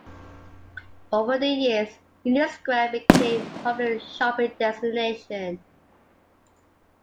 Over the years, Union Square became a popular shopping destination.